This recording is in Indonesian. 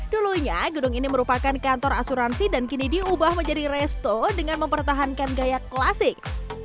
dulunya gedung ini merupakan kantor asuransi dan kini diubah menjadi resto dengan mempertahankan gaya klasik